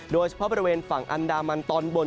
โดยเฉพาะบริเวณฝั่งอันดามันตอนบน